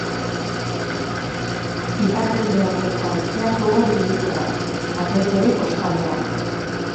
Ipar-mendebaldeko haizea gogor ibiliko da, batez ere kostaldean.